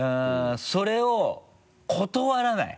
それを断らない？